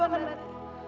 saya mau tidur sama nek